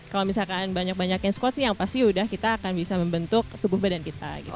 kalau misalkan banyak banyakin squad sih yang pasti udah kita akan bisa membentuk tubuh badan kita gitu